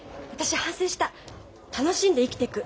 楽しんで生きてく。